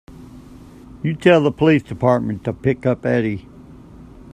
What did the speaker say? You tell the police department to pick up Eddie.